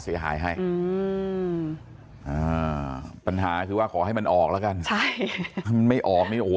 เสียหายให้ปัญหาคือว่าขอให้มันออกแล้วกันไม่ออกนี่โอ้